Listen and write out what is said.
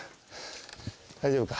大丈夫か？